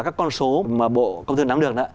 các con số mà bộ công thương nắm được